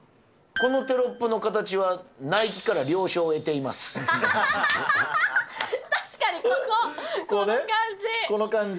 このテロップの形は、確かに、ここ、この感じ。